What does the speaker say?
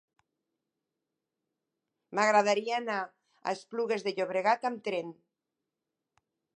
M'agradaria anar a Esplugues de Llobregat amb tren.